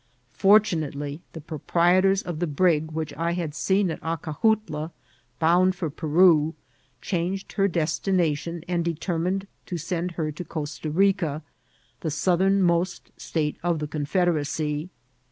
Fortunately, the proprietors of the brig which I had seen at Acajutla, bound for Peru, changed her destination, and determined to send her to Costa Bica, the southernmost state of the Confederacy.